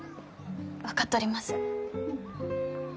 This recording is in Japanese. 分かっとります。